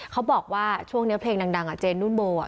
เขาบอกว่าช่วงเนี้ยเพลงดังดังอ่ะเจนนุ่นโบอ่ะ